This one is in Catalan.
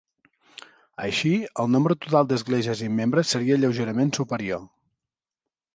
Així, el nombre total d'esglésies i membres seria lleugerament superior.